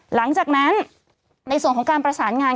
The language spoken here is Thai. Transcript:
หลังจากนั้นในส่วนของการประสานงาน